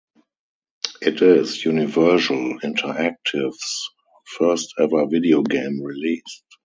It is Universal Interactive's first ever videogame released.